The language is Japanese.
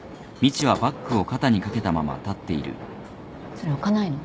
それ置かないの？